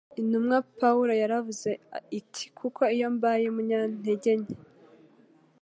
Intumwa Pawulo yaravuze iti: "kuko iyo mbaye umunyantege nke,